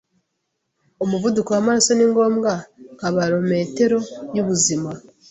Umuvuduko wamaraso ni ngombwa nka barometero yubuzima.